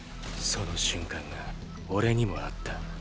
その瞬間が俺にもあった。